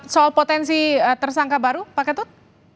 soal potensi tersangka baru pak ketut